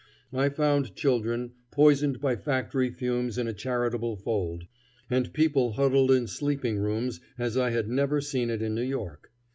I found children poisoned by factory fumes in a charitable fold, and people huddled in sleeping rooms as I had never seen it in New York.